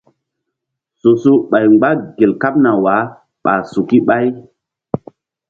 Su-su ɓay mgba gel kaɓna wah ɓa suk ɓay.